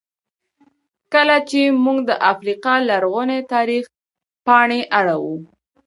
کله چې موږ د افریقا لرغوني تاریخ پاڼې اړوو.